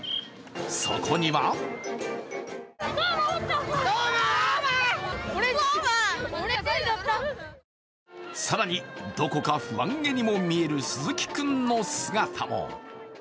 そこには更にどこか不安げにも見える鈴木君の姿も。